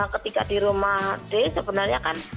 ketika di rumah d sebenarnya kan